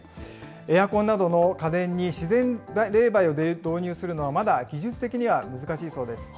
エアコンなどの家電に自然冷媒を導入するのは、まだ技術的には難しいそうです。